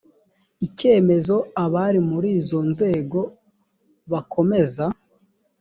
icyemezo abari muri izo nzego bakomeza